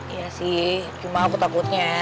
iya sih cuma aku takutnya